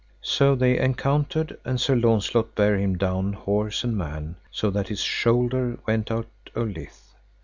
So they encountered, and Sir Launcelot bare him down horse and man, so that his shoulder went out of lith.